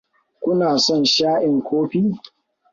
Kuna son sha'in kofi?